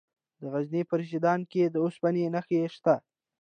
د غزني په رشیدان کې د اوسپنې نښې شته.